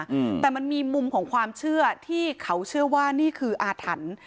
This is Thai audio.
อืมแต่มันมีมุมของความเชื่อที่เขาเชื่อว่านี่คืออาถรรพ์